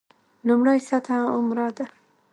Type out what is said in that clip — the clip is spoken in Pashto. لومړۍ سطح عمره ده.